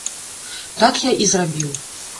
Так я і зрабіў.